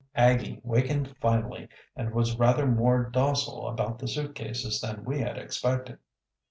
Aggie wakened finally and was rather more docile about the suitcases than we had expected.